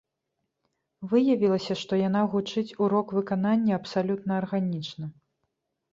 Выявілася, што яна гучыць у рок-выкананні абсалютна арганічна.